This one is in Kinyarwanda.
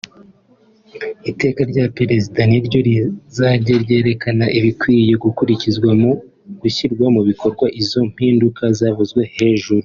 Iteka rya Perezida ni ryo rizajya ryerekana ibikwiye gukurikizwa mu gushyirwa mu bikorwa izo mpinduka zavuzwe hejuru